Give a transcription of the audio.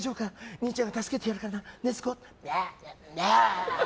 兄ちゃんが助けてやるからな。